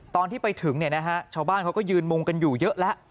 ตอนที่ไปถึงชาวบ้านเขาก็ยืนมุงกันอยู่เยอะแล้ว